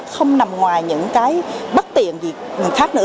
không nằm ngoài những bất tiện gì khác nữa